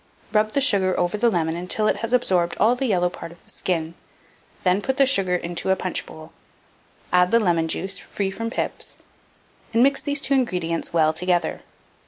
] Mode. Rub the sugar over the lemon until it has absorbed all the yellow part of the skin, then put the sugar into a punchbowl; add the lemon juice (free from pips), and mix these two ingredients well together.